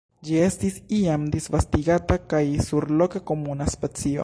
Ĝi estis iam disvastigata kaj surloke komuna specio.